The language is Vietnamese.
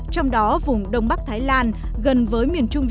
trong đó vùng đông bắc thái lan gần với miền trung